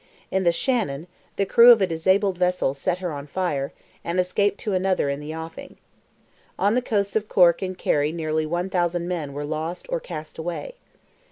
In the Shannon, the crew of a disabled vessel set her on fire, and escaped to another in the offing. On the coasts of Cork and Kerry nearly one thousand men were lost or cast away.